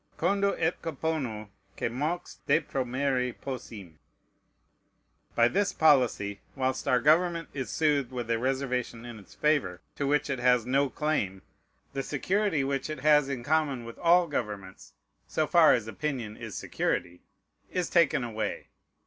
Condo et compono quæ mox depromere passim. By this policy, whilst our government is soothed with a reservation in its favor, to which it has no claim, the security which it has in common with all governments, so far as opinion is security, is taken away.